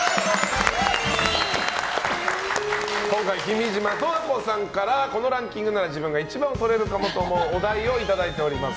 今回、君島十和子さんからこのランキングなら自分が１番をとれるかもと思うお題をいただいております。